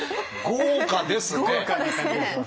豪華ですね！